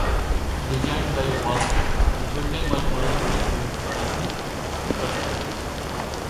Designed by Ralph Walker, the building was originally built for the Irving Trust Company.